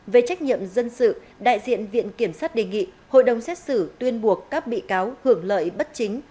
về trách nhiệm dân sự đại diện viện kiểm sát đề nghị hội đồng xét xử tuyên buộc các bị cáo hưởng lợi bất chính